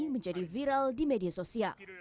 menjadi viral di media sosial